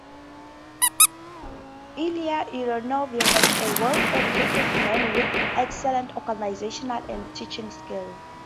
Ilya Ulyanov was a well-educated man with excellent organizational and teaching skills.